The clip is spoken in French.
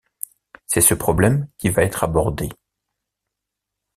C'est ce problème qui va être abordé.